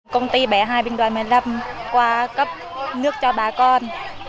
công ty bảy mươi hai binh đoàn một mươi năm qua cấp nước cho bà con